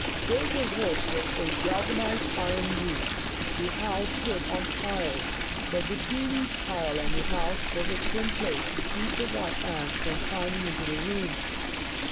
Built of wood, with a galvanized iron roof, the house stood on piles, but between each pile and the house was a tin plate to keep the white ants from climbing into the rooms.